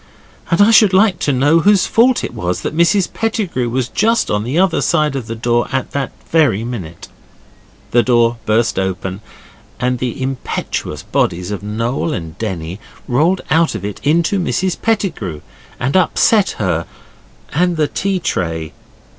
And I should like to know whose fault it was that Mrs Pettigrew was just on the other side of that door at that very minute? The door burst open, and the impetuous bodies of Noel and Denny rolled out of it into Mrs Pettigrew, and upset her and the tea tray.